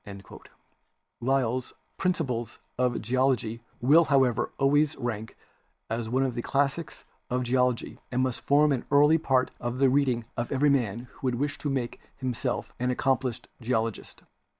'* Lyell's "Principles of Geology" will, however, always rank as one of the classics of Geology and must form an early part of the reading of every man who would wish to make himself an accomplished geologist.